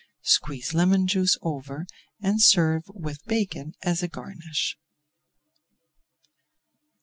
Squeeze lemon juice over and serve with bacon as a garnish.